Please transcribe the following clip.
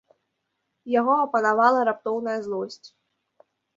Яго апанавала раптоўная злосць.